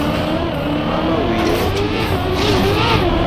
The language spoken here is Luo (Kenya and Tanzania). Mama wiye otimo pi